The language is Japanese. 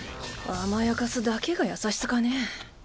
甘やかすだけが優しさかねぇ。